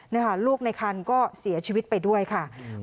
นี่ค่ะลูกในคันก็เสียชีวิตไปด้วยค่ะ